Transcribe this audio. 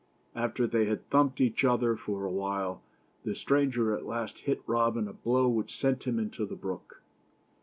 After they had thumped each other for a while, the stranger at last hit Robin a blow which sent him into the brook.